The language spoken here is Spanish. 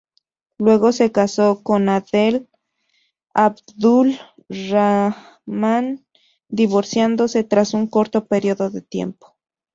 Luego se casó con Adel Abdul Rahman, divorciándose tras un corto período de tiempo.